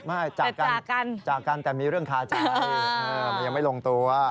ไม่จะกันแต่มีเรื่องคาจร้ายยังไม่ลงตัว